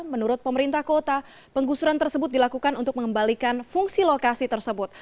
menurut pemerintah kota penggusuran tersebut dilakukan untuk mengembalikan fungsi lokasi tersebut